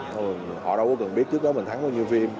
họ đâu có cần biết trước đó mình thắng bao nhiêu phim